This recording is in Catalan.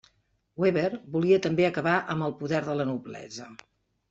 Weber volia també acabar amb el poder de la noblesa.